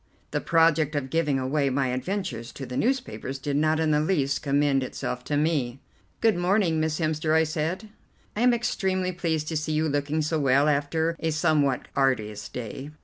The project of giving away my adventures to the newspapers did not in the least commend itself to me. "Good morning, Miss Hemster," I said, "I am extremely pleased to see you looking so well after a somewhat arduous day."